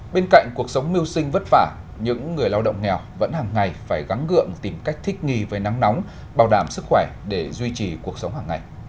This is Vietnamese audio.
bên cạnh cuộc sống mưu sinh vất vả những người lao động nghèo vẫn hàng ngày phải gắn gượng tìm cách thích nghi với nắng nóng bảo đảm sức khỏe để duy trì cuộc sống hàng ngày